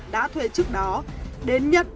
đã thuê trước đó đến nhận và vận chuyển